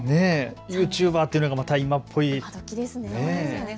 ユーチューバーというのも今っぽいですね。